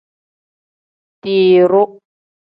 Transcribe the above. Tiruu.